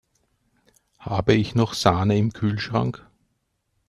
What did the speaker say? Habe ich noch Sahne im Kühlschrank?